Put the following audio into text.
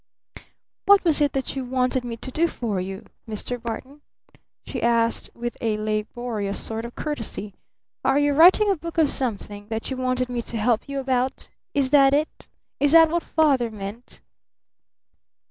"What was it that you wanted me to do for you, Mr. Barton?" she asked with a laborious sort of courtesy. "Are you writing a book or something that you wanted me to help you about? Is that it? Is that what Father meant?"